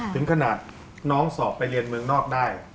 ถึงขนาดน้องสอบไปเรียนเมืองนอกได้